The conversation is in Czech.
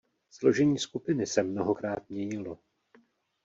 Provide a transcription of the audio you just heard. Složení skupiny se mnohokrát měnilo.